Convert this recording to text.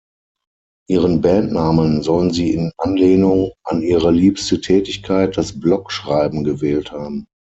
Ihren Bandnamen sollen sie in Anlehnung an ihre liebste Tätigkeit, das Blog-Schreiben gewählt haben.